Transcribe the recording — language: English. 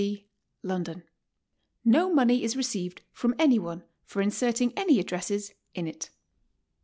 C., London. No money is received from any one for inserting any addresses in it.